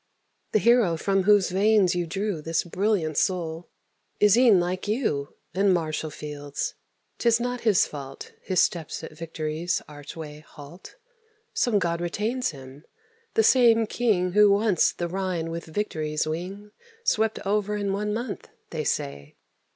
The hero from whose veins you drew This brilliant soul, is e'en like you, In martial fields; 'tis not his fault His steps at victory's archway halt: Some god retains him; the same king Who once the Rhine with victory's wing Swept over in one month, they say.